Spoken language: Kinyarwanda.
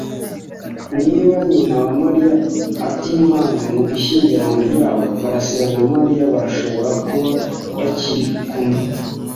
Niba nyina wa Mariya ativanze mu ishyingiranwa ryabo, karasira na Mariya barashobora kuba bakiri kumwe.